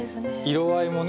色合いもね